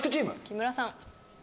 木村さん。